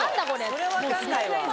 それ分かんないわ。